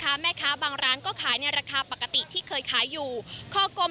แม่ค้าบางร้านก็ขายในราคาปกติที่เคยขายอยู่คอกลม